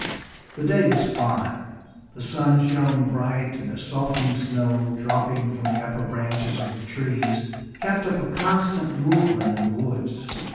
The day was fine. The sun shone bright, and the softening snow, dropping from the upper branches of the trees, kept up a constant movement in the woods.